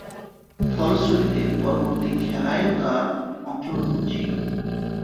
ফলশ্রুতিতে পরবর্তী খেলায়ও তার অংশগ্রহণ ছিল।